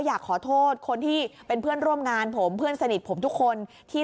อยากขอโทษคนที่เป็นเพื่อนร่วมงานผมเพื่อนสนิทผมทุกคนที่